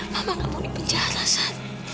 mama gak mau di penjahat sat